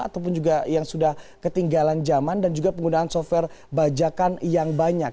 ataupun juga yang sudah ketinggalan zaman dan juga penggunaan software bajakan yang banyak